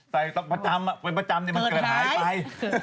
ใส่ประจำอ่ะเป็นประจำเนี่ยมันเกิดหายไป